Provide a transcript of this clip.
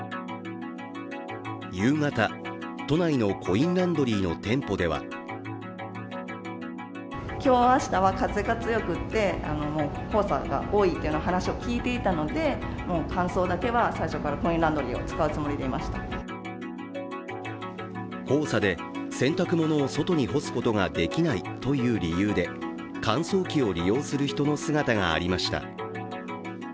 夕方、都内のコインランドリーの店舗では黄砂で洗濯物を外に干すことができないという理由で乾燥機を利用する人の姿がありました。